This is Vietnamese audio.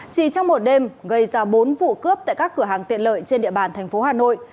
chỉ trong một đêm gây ra bốn vụ cướp tại các cửa hàng tiện lợi trên địa bàn thành phố hà nội